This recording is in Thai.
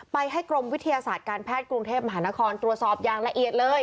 ให้กรมวิทยาศาสตร์การแพทย์กรุงเทพมหานครตรวจสอบอย่างละเอียดเลย